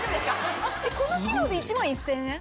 この機能で１万１０００円？